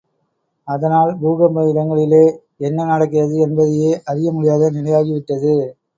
அதனால், பூகம்ப இடங்களிலே என்ன நடக்கிறது என்பதையே அறிய முடியாத நிலையாகி விட்டது.